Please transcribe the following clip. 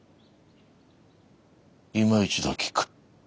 いま一度聞く。